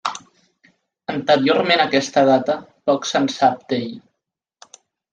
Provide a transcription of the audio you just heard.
Anteriorment a aquesta data poc se'n sap d'ell.